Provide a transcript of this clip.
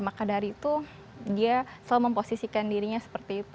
maka dari itu dia selalu memposisikan dirinya seperti itu